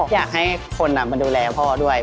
อยากให้คนมาดูแลพ่อด้วย